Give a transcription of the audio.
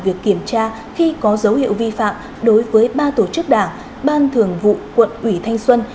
việc kiểm tra khi có dấu hiệu vi phạm đối với ba tổ chức đảng ban thường vụ quận ủy thanh xuân